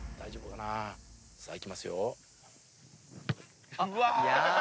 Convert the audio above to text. さあいきますよ。